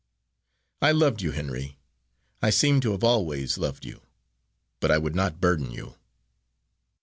I loved you, Henry I seem to have always loved you, but I would not burden you."